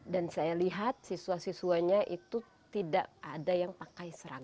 dan saya lihat siswa siswanya itu tidak ada yang pakai seragam